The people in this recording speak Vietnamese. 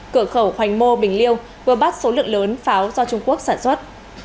cửa khẩu hoành mô bình liêu vừa bắt số lượng lớn pháo do trung quốc sản xuất